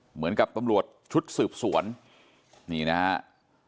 เหมือนกับตำรวจชุดสืบสวนนี่นะครับ